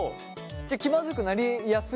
じゃあ気まずくなりやすい？